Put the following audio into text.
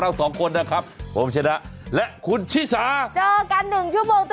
เราสองคนนะครับผมชนะและคุณชิสาเจอกันหนึ่งชั่วโมงต่อ